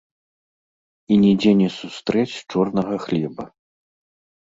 І нідзе не сустрэць чорнага хлеба.